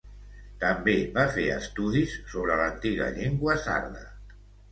També va fer estudis sobre l'antiga llengua sarda.